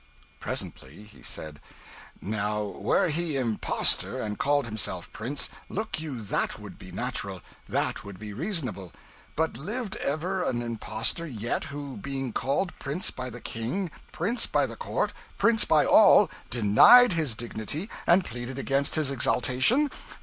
Presently he said "Now were he impostor and called himself prince, look you that would be natural; that would be reasonable. But lived ever an impostor yet, who, being called prince by the king, prince by the court, prince by all, denied his dignity and pleaded against his exaltation?